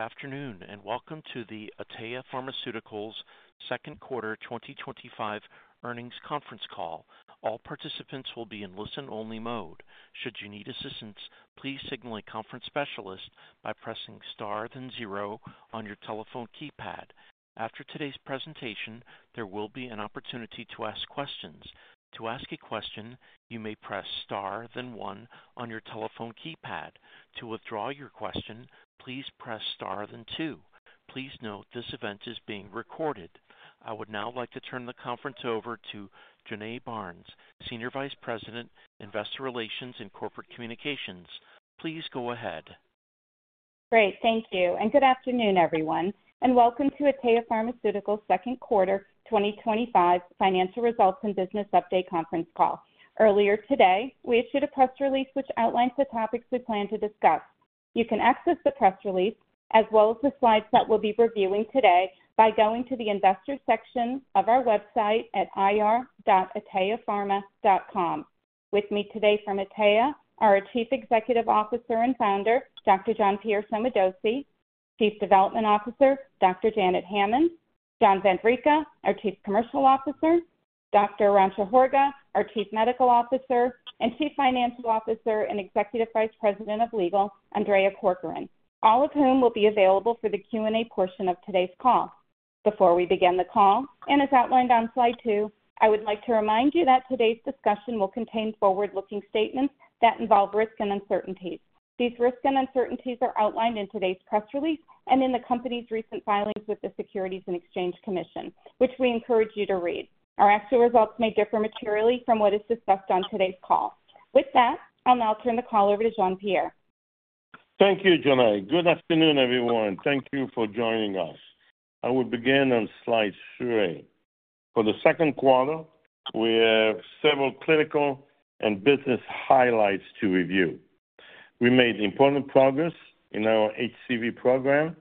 Afternoon and welcome to the Atea Pharmaceuticals' Second Quarter 2025 Earnings Conference Call. All participants will be in listen-only mode. Should you need assistance, please signal a conference specialist by pressing star, then zero, on your telephone keypad. After today's presentation, there will be an opportunity to ask questions. To ask a question, you may press star, then one, on your telephone keypad. To withdraw your question, please press star, then two. Please note this event is being recorded. I would now like to turn the conference over to Jonae Barnes, Senior Vice President, Investor Relations and Corporate Communications. Please go ahead. Great, thank you. Good afternoon, everyone, and welcome to Atea Pharmaceuticals' Second Quarter 2025 financial results and business update conference call. Earlier today, we issued a press release which outlines the topics we plan to discuss. You can access the press release, as well as the slides that we'll be reviewing today, by going to the Investors section of our website at ir.ateapharma.com. With me today from Atea are our Chief Executive Officer and Founder, Dr. Jean-Pierre Sommadossi, Chief Development Officer, Dr. Janet Hammond, John Vavricka, our Chief Commercial Officer, Dr. Arantxa Horga, our Chief Medical Officer, and Chief Financial Officer and Executive Vice President of Legal, Andrea Corcoran, all of whom will be available for the Q&A portion of today's call. Before we begin the call, and as outlined on slide two, I would like to remind you that today's discussion will contain forward-looking statements that involve risk and uncertainty. These risks and uncertainties are outlined in today's press release and in the company's recent filings with the Securities and Exchange Commission, which we encourage you to read. Our actual results may differ materially from what is discussed on today's call. With that, I'll now turn the call over to Jean-Pierre. Thank you, Jonae. Good afternoon, everyone. Thank you for joining us. I will begin on slide three. For the second quarter, we have several clinical and business highlights to review. We made important progress in our HCV program,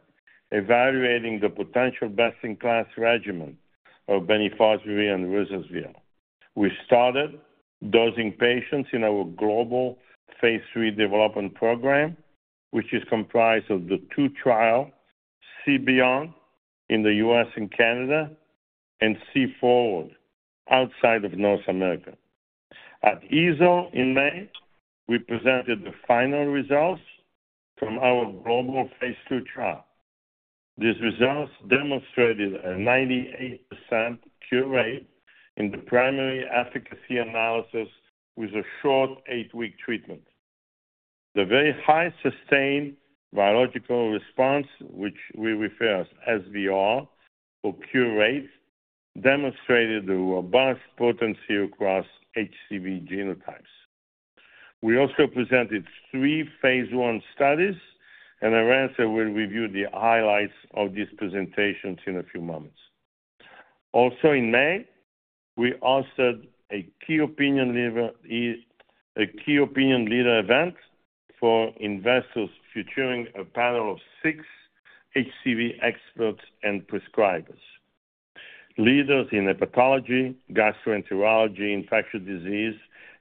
evaluating the potential best-in-class regimen of bemnifosbuvir and ruzasvir. We started dosing patients in our global Phase III development program, which is comprised of the two trials, CBR in the U.S. and Canada, and CFORWARD outside of North America. At EASL in May, we presented the final results from our global Phase II trial. These results demonstrated a 98% cure rate in the primary efficacy analysis with a short eight-week treatment. The very high sustained virologic response, which we refer to as SVR or cure rates, demonstrated a robust potency across HCV genotypes. We also presented three Phase I studies, and Arantxa will review the highlights of these presentations in a few moments. Also, in May, we hosted a key opinion leader event for investors featuring a panel of six HCV experts and prescribers. Leaders in hepatology, gastroenterology, infectious disease,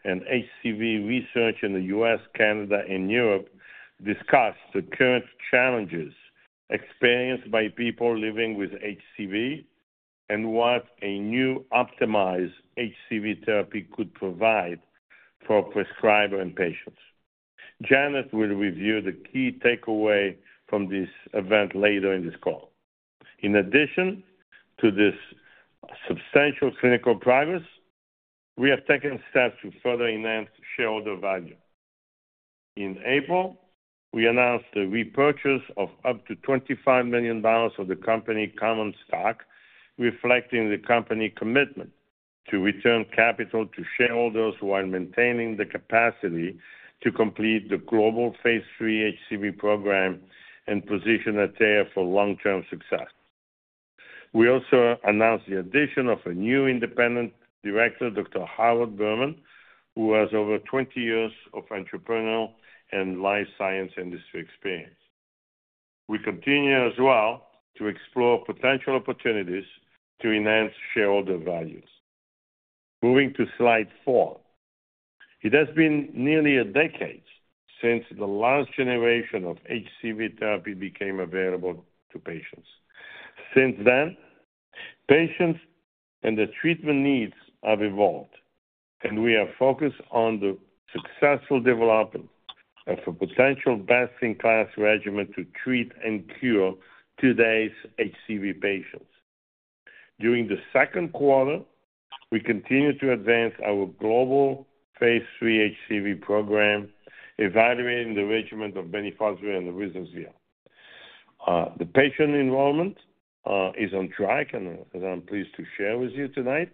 and HCV research in the U.S., Canada, and Europe discussed the current challenges experienced by people living with HCV and what a new optimized HCV therapy could provide for prescribers and patients. Janet will review the key takeaway from this event later in this call. In addition to this substantial clinical progress, we have taken steps to further enhance shareholder value. In April, we announced the repurchase of up to $25 million of the company common stock, reflecting the company's commitment to return capital to shareholders while maintaining the capacity to complete the global Phase III HCV program and position Atea Pharmaceuticals for long-term success. We also announced the addition of a new independent director, Dr. Howard Berman, who has over 20 years of entrepreneurial and life science industry experience. We continue as well to explore potential opportunities to enhance shareholder value. Moving to slide four, it has been nearly a decade since the last generation of HCV therapy became available to patients. Since then, patients and their treatment needs have evolved, and we have focused on the successful development of a potential best-in-class regimen to treat and cure today's HCV patients. During the second quarter, we continue to advance our global Phase III HCV program, evaluating the regimen of bemnifosbuvir and ruzasvir. The patient involvement is on track, and as I'm pleased to share with you tonight,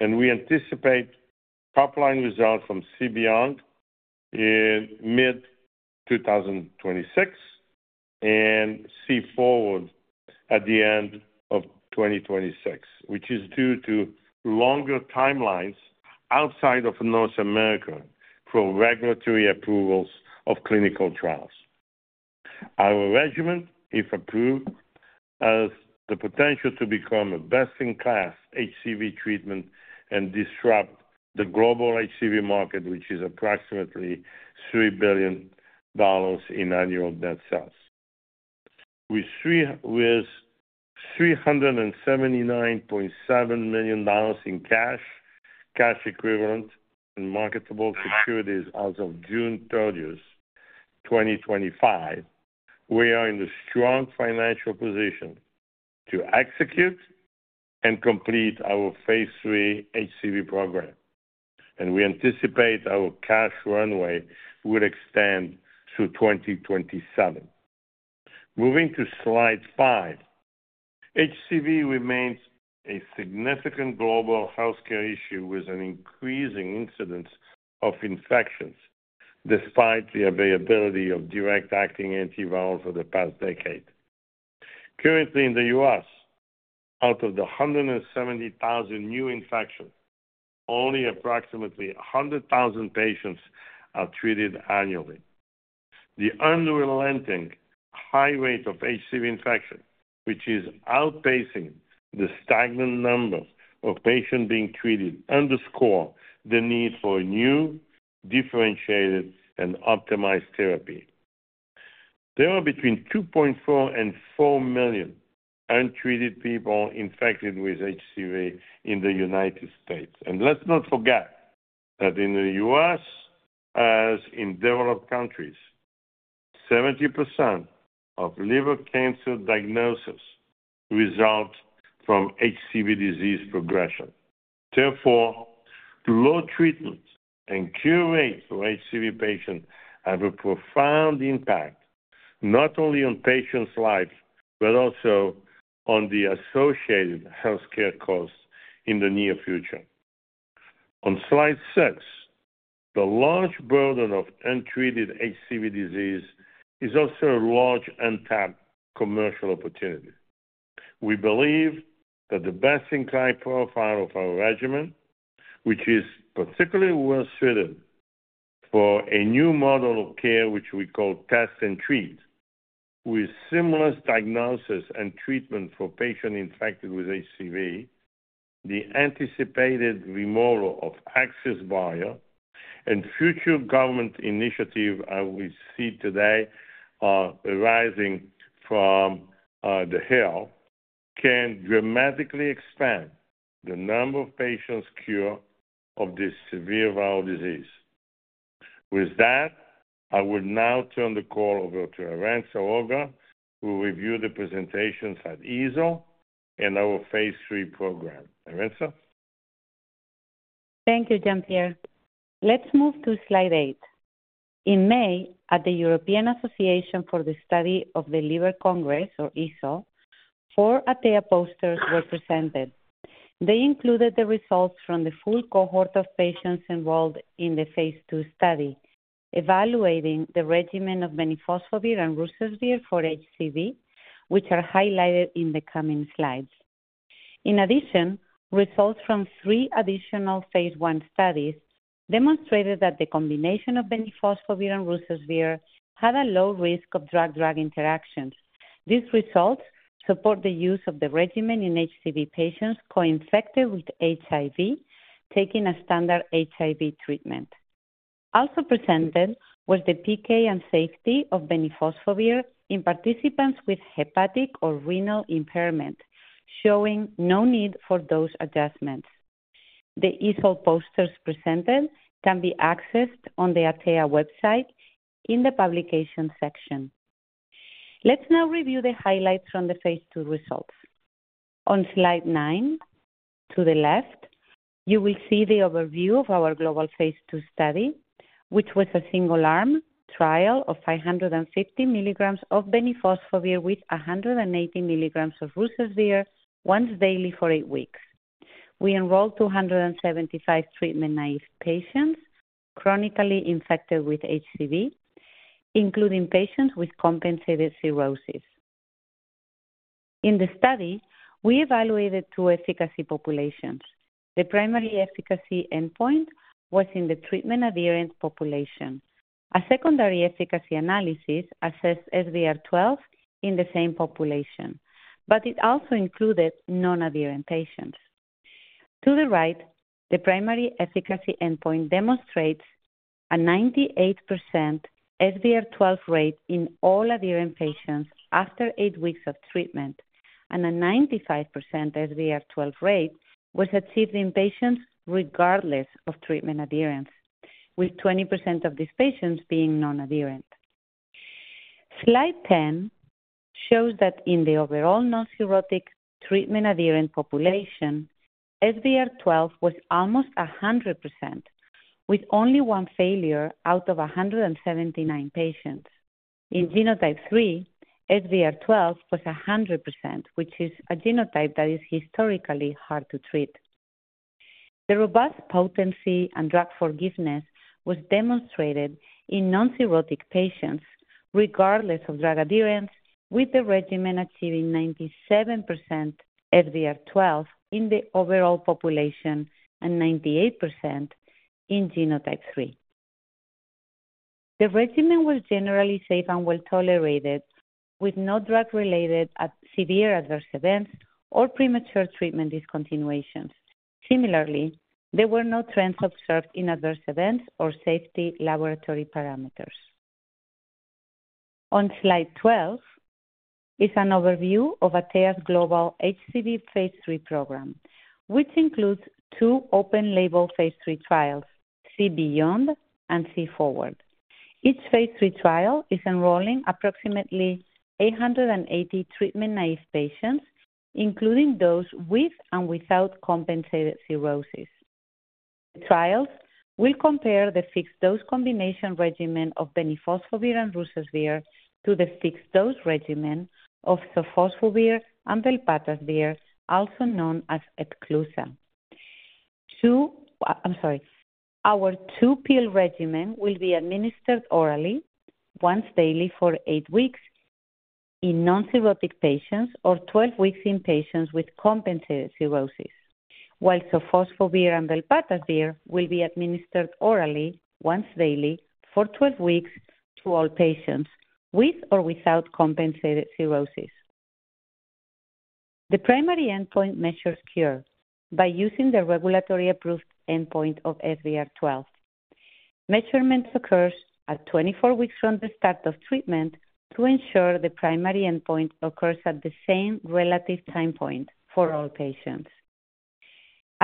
we anticipate top-line results from CBR in mid-2026 and CFORWARD at the end of 2026, which is due to longer timelines outside of North America for regulatory approvals of clinical trials. Our regimen, if approved, has the potential to become a best-in-class HCV treatment and disrupt the global HCV market, which is approximately $3 billion in annual net sales. With $379.7 million in cash, cash equivalents, and marketable securities as of June 30, 2025, we are in a strong financial position to execute and complete our Phase III HCV program, and we anticipate our cash runway will extend to 2027. Moving to slide five, HCV remains a significant global healthcare issue with an increasing incidence of infections despite the availability of direct-acting antivirals for the past decade. Currently, in the U.S., out of the 170,000 new infections, only approximately 100,000 patients are treated annually. The unrelenting high rate of HCV infection, which is outpacing the stagnant number of patients being treated, underscores the need for new, differentiated, and optimized therapy. There are between 2.4 and 4 million untreated people infected with HCV in the United States. Let's not forget that in the U.S., as in developed countries, 70% of liver cancer diagnoses result from HCV disease progression. Therefore, low treatment and cure rates for HCV patients have a profound impact not only on patients' lives but also on the associated healthcare costs in the near future. On slide six, the large burden of untreated HCV disease is also a large untapped commercial opportunity. We believe that the best-in-class profile of our regimen, which is particularly well-suited for a new model of care which we call Test and Treat, with seamless diagnosis and treatment for patients infected with HCV, the anticipated removal of access barrier, and future government initiatives as we see today arising from the Hill can dramatically expand the number of patients cured of this severe viral disease. With that, I will now turn the call over to Arantxa Horga, who will review the presentations at EASL and our Phase III program. Arantxa? Thank you, Jean-Pierre. Let's move to slide eight. In May, at the European Association for the Study of the Liver Congress, or EASL, four Atea posters were presented. They included the results from the full cohort of patients involved in the Phase II study, evaluating the regimen of bemnifosbuvir and ruzasvir for HCV, which are highlighted in the coming slides. In addition, results from three additional Phase I studies demonstrated that the combination of bemnifosbuvir and ruzasvir had a low risk of drug-drug interactions. These results support the use of the regimen in HCV patients co-infected with HIV, taking a standard HIV treatment. Also presented was the PK and safety of bemnifosbuvir in participants with hepatic or renal impairment, showing no need for dose adjustments. The EASL posters presented can be accessed on the Atea website in the publications section. Let's now review the highlights from the Phase II results. On slide nine, to the left, you will see the overview of our global Phase II study, which was a single-arm trial of 550 milligrams of bemnifosbuvir with 180 milligrams of ruzasvir once daily for eight weeks. We enrolled 275 treatment-naive patients chronically infected with HCV, including patients with compensated cirrhosis. In the study, we evaluated two efficacy populations. The primary efficacy endpoint was in the treatment-adherent population. A secondary efficacy analysis assessed SVR12 in the same population, but it also included non-adherent patients. To the right, the primary efficacy endpoint demonstrates a 98% SVR12 rate in all adherent patients after eight weeks of treatment, and a 95% SVR12 rate was achieved in patients regardless of treatment adherence, with 20% of these patients being non-adherent. Slide 10 shows that in the overall non-cirrhotic treatment-adherent population, SVR12 was almost 100%, with only one failure out of 179 patients. In genotype III, SVR12 was 100%, which is a genotype that is historically hard to treat. The robust potency and drug forgiveness were demonstrated in non-cirrhotic patients regardless of drug adherence, with the regimen achieving 97% SVR12 in the overall population and 98% in genotype III. The regimen was generally safe and well-tolerated, with no drug-related severe adverse events or premature treatment discontinuations. Similarly, there were no trends observed in adverse events or safety laboratory parameters. On slide 12 is an overview of Atea Pharmaceuticals' global HCV Phase III program, which includes two open-label Phase III trials, CBR and CFORWARD. Each Phase III trial is enrolling approximately 880 treatment-naive patients, including those with and without compensated cirrhosis. The trials will compare the fixed-dose combination regimen of bemnifosbuvir and ruzasvir to the fixed-dose regimen of sofosbuvir and velpatasvir, also known as Epclusa. Our two-pill regimen will be administered orally once daily for eight weeks in non-cirrhotic patients or 12 weeks in patients with compensated cirrhosis, while sofosbuvir and velpatasvir will be administered orally once daily for 12 weeks to all patients with or without compensated cirrhosis. The primary endpoint measures cure by using the regulatory-approved endpoint of SVR12. Measurement occurs at 24 weeks from the start of treatment to ensure the primary endpoint occurs at the same relative time point for all patients.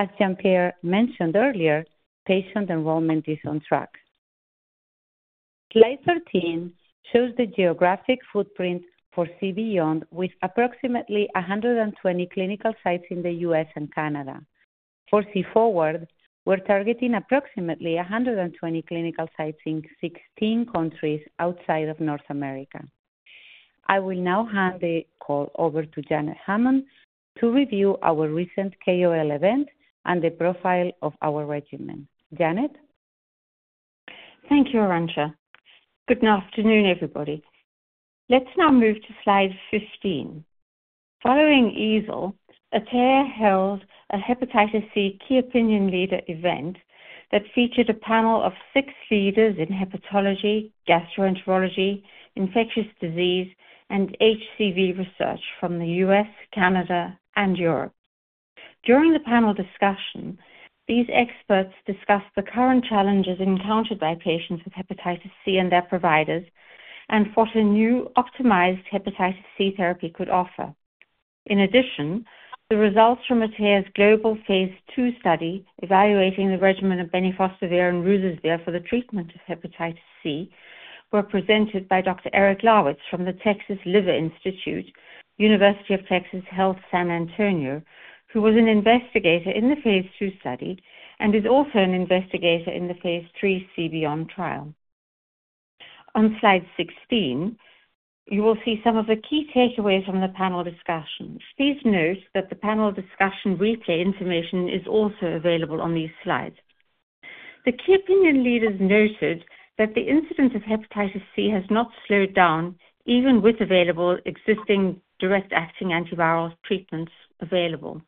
As Dr. Jean-Pierre Sommadossi mentioned earlier, patient enrollment is on track. Slide 13 shows the geographic footprint for CBR with approximately 120 clinical sites in the U.S. and Canada. For CFORWARD, we're targeting approximately 120 clinical sites in 16 countries outside of North America. I will now hand the call over to Dr. Janet Hammond to review our recent KOL event and the profile of our regimen. Janet? Thank you, Arantxa. Good afternoon, everybody. Let's now move to slide 15. Following EASL, Atea held a hepatitis C key opinion leader event that featured a panel of six leaders in hepatology, gastroenterology, infectious disease, and HCV research from the U.S., Canada, and Europe. During the panel discussion, these experts discussed the current challenges encountered by patients with hepatitis C and their providers and what a new optimized hepatitis C therapy could offer. In addition, the results from Atea's global Phase II study evaluating the regimen of bemnifosbuvir and ruzasvir for the treatment of hepatitis C were presented by Dr. Eric Lawitz from the Texas Liver Institute, University of Texas Health San Antonio, who was an investigator in the Phase II study and is also an investigator in the Phase III CBR trial. On slide 16, you will see some of the key takeaways from the panel discussion. Please note that the panel discussion replay information is also available on these slides. The key opinion leaders noted that the incidence of hepatitis C has not slowed down, even with available existing direct-acting antiviral treatments available.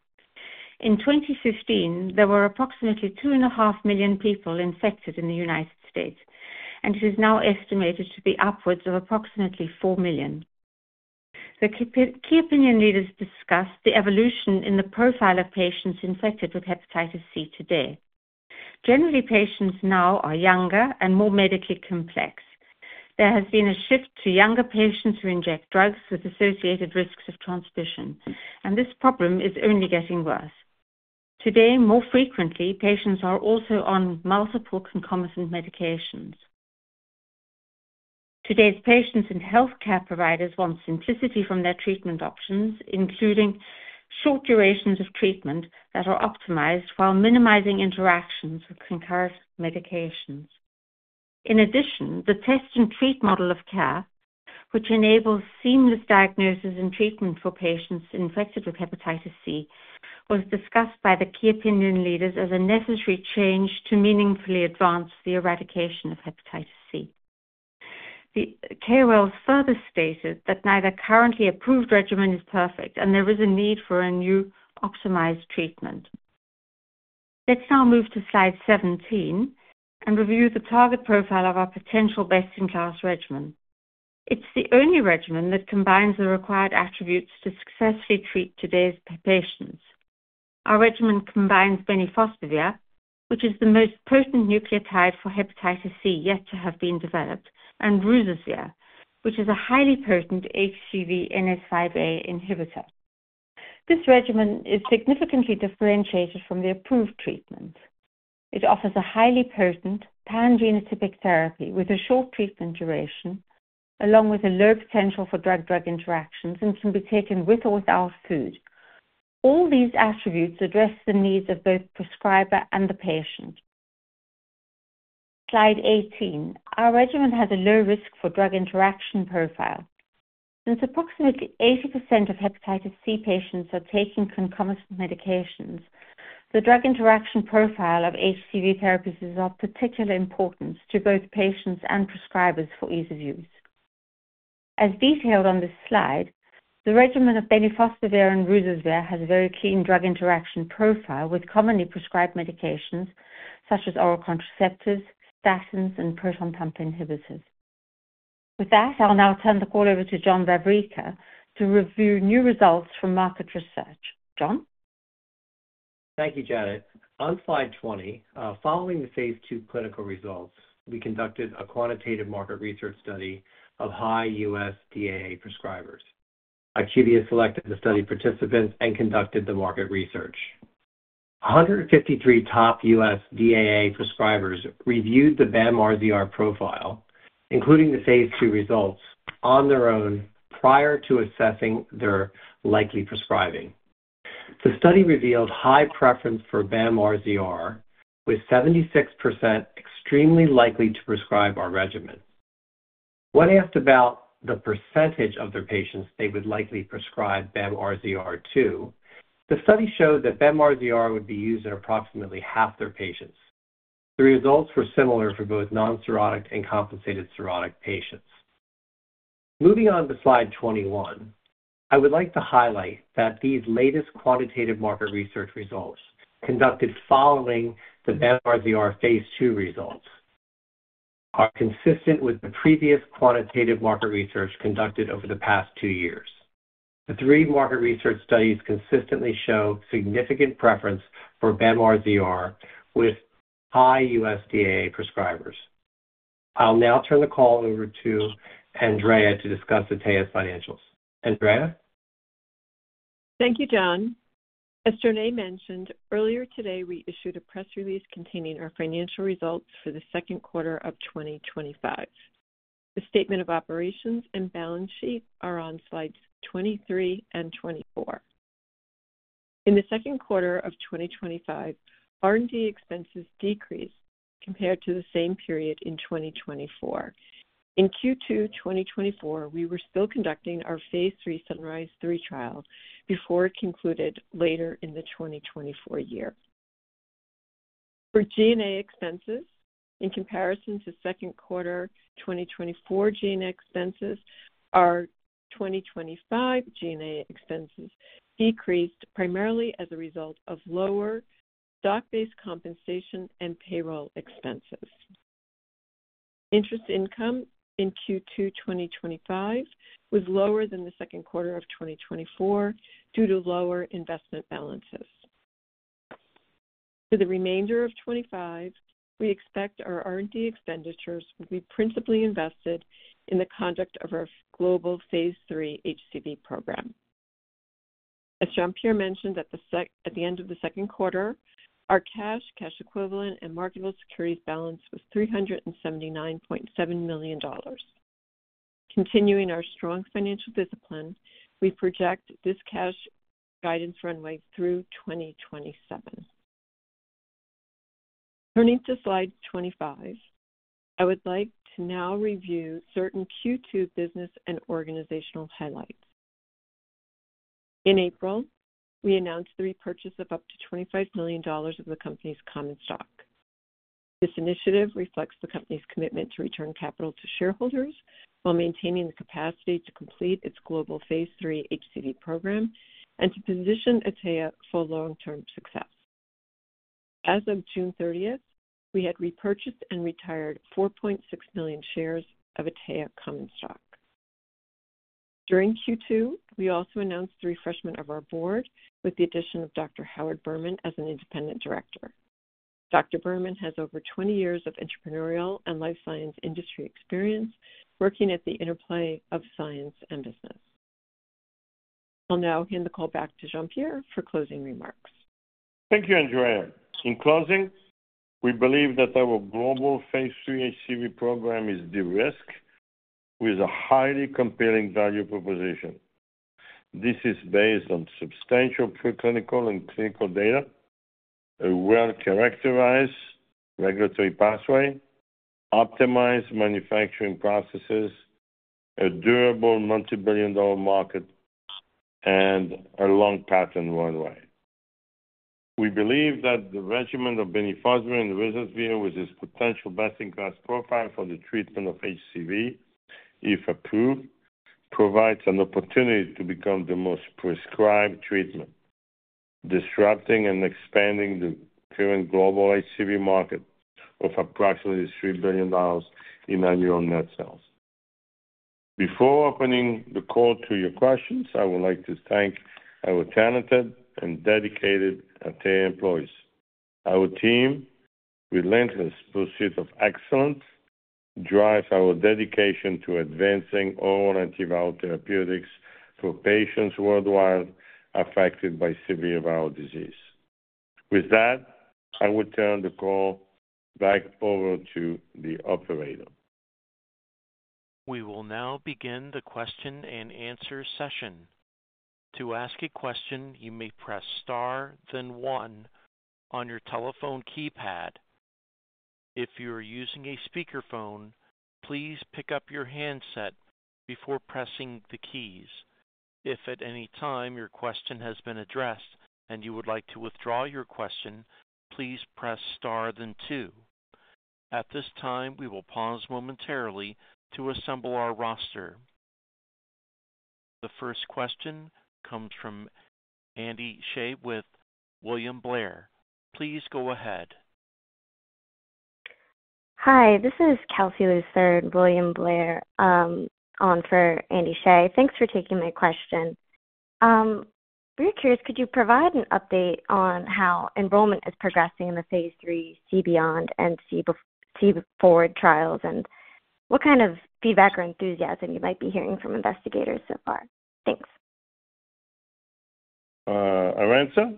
In 2015, there were approximately 2.5 million people infected in the U.S., and it is now estimated to be upwards of approximately 4 million. The key opinion leaders discussed the evolution in the profile of patients infected with hepatitis C today. Generally, patients now are younger and more medically complex. There has been a shift to younger patients who inject drugs with associated risks of transmission, and this problem is only getting worse. Today, more frequently, patients are also on multiple concomitant medications. Today's patients and healthcare providers want simplicity from their treatment options, including short durations of treatment that are optimized while minimizing interactions with concurrent medications. In addition, the Test and Treat model of care, which enables seamless diagnosis and treatment for patients infected with hepatitis C, was discussed by the key opinion leaders as a necessary change to meaningfully advance the eradication of hepatitis C. The KOLs further stated that neither currently approved regimen is perfect, and there is a need for a new optimized treatment. Let's now move to slide 17 and review the target profile of our potential best-in-class regimen. It's the only regimen that combines the required attributes to successfully treat today's patients. Our regimen combines bemnifosbuvir, which is the most potent nucleotide for hepatitis C yet to have been developed, and ruzasvir, which is a highly potent HCV NS5A inhibitor. This regimen is significantly differentiated from the approved treatment. It offers a highly potent pan-genotypic therapy with a short treatment duration, along with a low potential for drug-drug interactions and can be taken with or without food. All these attributes address the needs of both the prescriber and the patient. Slide 18. Our regimen has a low risk for drug interaction profile. Since approximately 80% of hepatitis C patients are taking concomitant medications, the drug interaction profile of HCV therapies is of particular importance to both patients and prescribers for ease of use. As detailed on this slide, the regimen of bemnifosbuvir and ruzasvir has a very clean drug interaction profile with commonly prescribed medications such as oral contraceptives, statins, and proton pump inhibitors. With that, I'll now turn the call over to John Vavricka to review new results from market research. John? Thank you, Janet. On slide 20, following the Phase II clinical results, we conducted a quantitative market research study of high U.S. DAA prescribers. Ichthydea selected the study participants and conducted the market research. 153 top U.S. DAA prescribers reviewed the BAM-RZR profile, including the Phase II results, on their own prior to assessing their likely prescribing. The study revealed high preference for BAM-RZR, with 76% extremely likely to prescribe our regimen. When asked about the percentage of their patients they would likely prescribe BAM-RZR to, the study showed that BAM-RZR would be used in approximately half their patients. The results were similar for both non-cirrhotic and compensated cirrhotic patients. Moving on to slide 21, I would like to highlight that these latest quantitative market research results conducted following the BAM-RZR Phase II results are consistent with the previous quantitative market research conducted over the past two years. The three market research studies consistently show significant preference for BAM-RZR with high U.S. DAA prescribers. I'll now turn the call over to Andrea to discuss Atea's financials. Andrea? Thank you, John. As Jonae mentioned, earlier today, we issued a press release containing our financial results for the second quarter of 2025. The statement of operations and balance sheet are on slides 23 and 24. In the second quarter of 2025, R&D expenses decreased compared to the same period in 2024. In Q2 2024, we were still conducting our Phase III Sunrise III trial before it concluded later in the 2024 year. For G&A expenses, in comparison to second quarter 2024 G&A expenses, our 2025 G&A expenses decreased primarily as a result of lower stock-based compensation and payroll expenses. Interest income in Q2 2025 was lower than the second quarter of 2024 due to lower investment balances. For the remainder of 2025, we expect our R&D expenditures will be principally invested in the conduct of our global Phase III HCV program. As Jean-Pierre mentioned, at the end of the second quarter, our cash, cash equivalent, and marketable securities balance was $379.7 million. Continuing our strong financial discipline, we project this cash guidance runway through 2027. Turning to slide 25, I would like to now review certain Q2 business and organizational highlights. In April, we announced the repurchase of up to $25 million of the company's common stock. This initiative reflects the company's commitment to return capital to shareholders while maintaining the capacity to complete its global Phase III HCV program and to position Atea for long-term success. As of June 30, we had repurchased and retired 4.6 million shares of Atea common stock. During Q2, we also announced the refreshment of our board with the addition of Dr. Howard Berman as an independent director. Dr. Berman has over 20 years of entrepreneurial and life science industry experience working at the interplay of science and business. I'll now hand the call back to Jean-Pierre for closing remarks. Thank you, Andrea. In closing, we believe that our global Phase III HCV program is de-risked with a highly compelling value proposition. This is based on substantial preclinical and clinical data, a well-characterized regulatory pathway, optimized manufacturing processes, a durable multibillion-dollar market, and a long patent runway. We believe that the regimen of bemnifosbuvir and ruzasvir, with its potential best-in-class profile for the treatment of HCV, if approved, provides an opportunity to become the most prescribed treatment, disrupting and expanding the current global HCV market of approximately $3 billion in annual net sales. Before opening the call to your questions, I would like to thank our talented and dedicated Atea employees. Our team's relentless pursuit of excellence drives our dedication to advancing oral antiviral therapeutics for patients worldwide affected by severe viral disease. With that, I will turn the call back over to the operator. We will now begin the question and answer session. To ask a question, you may press star, then one on your telephone keypad. If you are using a speakerphone, please pick up your handset before pressing the keys. If at any time your question has been addressed and you would like to withdraw your question, please press star, then two. At this time, we will pause momentarily to assemble our roster. The first question comes from Andy Shea with William Blair. Please go ahead. Hi, this is Kelsey Luther and William Blair on for Andy Shea. Thanks for taking my question. We're curious, could you provide an update on how enrollment is progressing in the Phase III CBR and CFORWARD trials and what kind of feedback or enthusiasm you might be hearing from investigators so far? Thanks. Arantxa?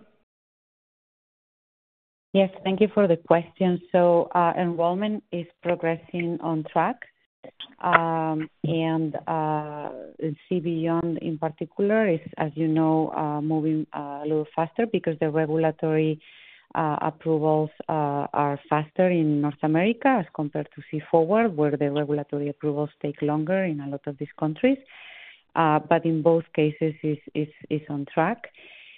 Yes, thank you for the question. Enrollment is progressing on track. CBR in particular is, as you know, moving a little faster because the regulatory approvals are faster in North America as compared to CFORWARD, where the regulatory approvals take longer in a lot of these countries. In both cases, it's on track.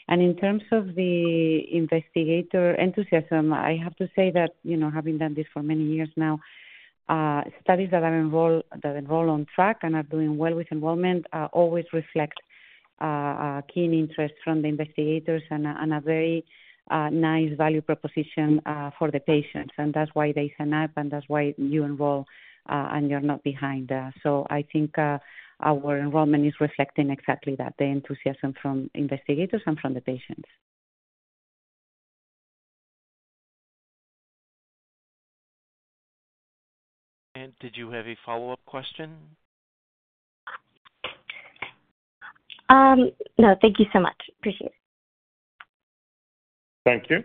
In terms of the investigator enthusiasm, I have to say that, you know, having done this for many years now, studies that enroll on track and are doing well with enrollment always reflect keen interest from the investigators and a very nice value proposition for the patients. That's why they sign up, and that's why you enroll, and you're not behind. I think our enrollment is reflecting exactly that, the enthusiasm from investigators and from the patients. Did you have a follow-up question? No, thank you so much. Appreciate it. Thank you.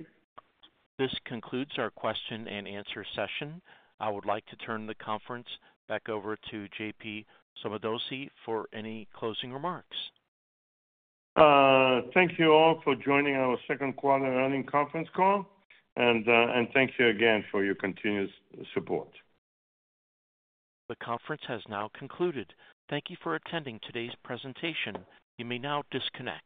This concludes our question and answer session. I would like to turn the conference back over to Dr. Jean-Pierre Sommadossi for any closing remarks. Thank you all for joining our second quarter earnings conference call, and thank you again for your continuous support. The conference has now concluded. Thank you for attending today's presentation. You may now disconnect.